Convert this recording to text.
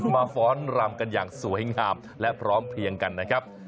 ฟ้อนรำกันอย่างสวยงามและพร้อมเพลียงกันนะครับ